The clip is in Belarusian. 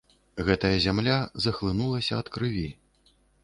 Гэтая зямля захлынулася ад крыві.